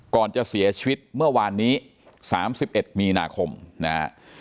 ก่อนจะเสียชีวิตเมื่อวานนี้๓๑มีนาคมนะฮะ